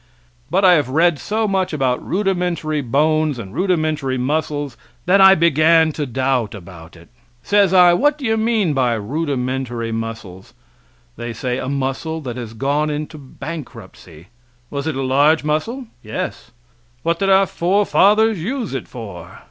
But I have read so much about rudimentary bones and rudimentary muscles that I began to doubt about it. Says I: "What do you mean by rudimentary muscles?" They say: "A muscle that has gone into bankruptcy " "Was it a large muscle?" "Yes." "What did our forefathers use it for?"